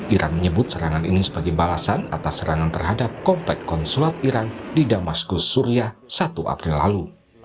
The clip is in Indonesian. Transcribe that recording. iran menyebut serangan ini sebagai balasan atas serangan terhadap komplek konsulat iran di damaskus suria satu april lalu